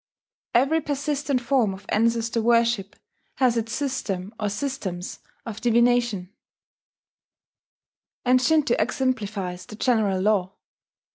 Every persistent form of ancestor worship has its system or systems of divination; and Shinto exemplifies the general law.